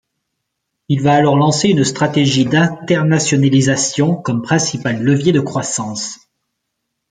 Il va alors lancer une stratégie d’internationalisation comme principal levier de croissance.